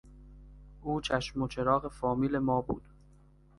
او چشم و چراغ فامیل ما بود.